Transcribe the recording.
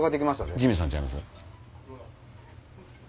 ジミーさんちゃいます？